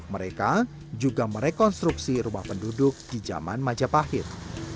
mereka juga merekonstruksi rumah penduduk di zaman majapahit